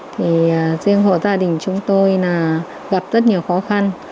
thì riêng hộ gia đình chúng tôi là gặp rất nhiều khó khăn